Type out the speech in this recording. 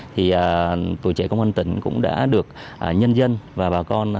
thì tuổi trẻ công an tỉnh cũng đã được nhân dân và bà con